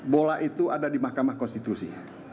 bola itu ada di mahkamah konstitusi